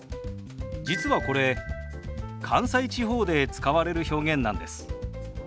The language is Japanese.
実はこれ関西地方で使われる表現なんです。